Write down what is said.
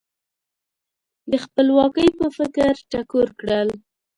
د خپلواکۍ په فکر ټکور کړل.